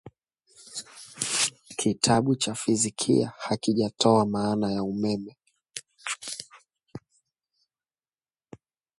Physics textbooks no longer define Quantity of Electricity or Flow of Electricity.